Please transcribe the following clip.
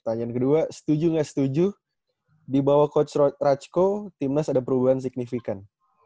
tanyaan kedua setuju gak setuju dibawah coach rajko timnas ada perubahan signifikan